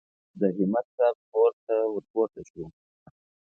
د همت صاحب کور ته ور پورته شوو.